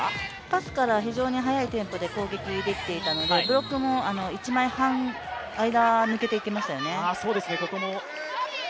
パスから非常に速いテンポで攻撃ができていたので、ブロックも一枚半、間抜けていきましたよね。